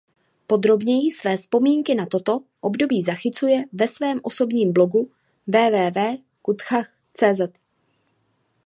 Podrobněji své vzpomínky na toto období zachycuje ve svém osobním blogu www.kuthan.cz.